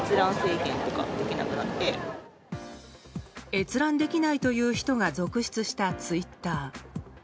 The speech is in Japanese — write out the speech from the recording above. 閲覧できないという人が続出したツイッター。